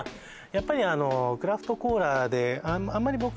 やっぱりあのクラフトコーラであんまり僕